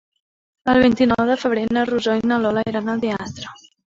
El vint-i-nou de febrer na Rosó i na Lola iran al teatre.